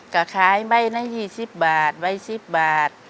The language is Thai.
ก็คล้ายไม่ได้๒๐บาทไม่๑๐บาท